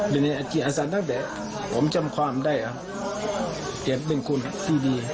เป็นกิจอาสาทั้งแต่ผมจำความได้เป็นคนที่ดี